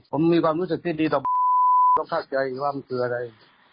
ผมมีความรู้สึกที่ดีต่อผมต้องเข้าใจอีกว่ามันคืออะไร